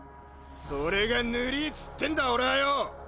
それがぬりいっつってんだ俺はよ！